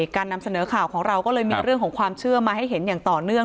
การนำเสนอข่าวของเราก็เลยมีเรื่องของความเชื่อมาให้เห็นอย่างต่อเนื่อง